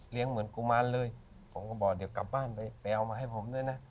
เหมือนกุมารเลยผมก็บอกเดี๋ยวกลับบ้านไปไปเอามาให้ผมด้วยนะ